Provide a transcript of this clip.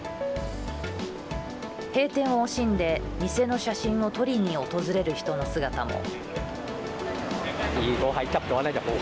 閉店を惜しんで店の写真を撮りに訪れる人の姿も。